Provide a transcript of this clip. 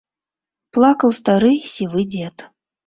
Плакаў стары сівы дзед.